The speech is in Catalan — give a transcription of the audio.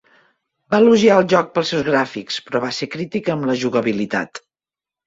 Va elogiar el joc pels seus gràfics, però va ser crític amb la jugabilitat.